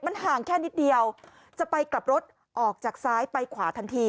มันห่างแค่นิดเดียวจะไปกลับรถออกจากซ้ายไปขวาทันที